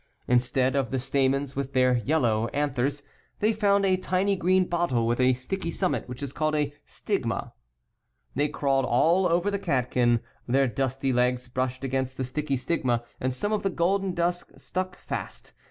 Instead of the stamens with their yellow anthers, they found a tiny green bottle, with a sticky summit which is called a stii^ma i (Fig. 7) They crawled all over the catkin, ir their dusty legs brushed against the : sticky stigma and some of the golden dust stuck fast.